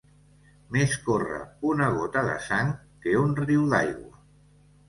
Més corre una gota de sang que un riu d'aigua.